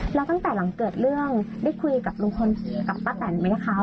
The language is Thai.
แล้วตั้งแต่หลังเกิดเรื่องได้คุยกับลุงพลกับป้าแตนไหมคะ